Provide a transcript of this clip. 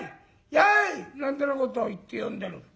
やい！」なんてなことを言って呼んでる。